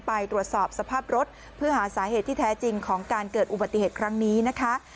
ไปตรวจสอบสภาพรถเพื่อหาสาเหตุที่แท้จริงของการเกิดอุบัติเหตุครั้งนี้นะคะ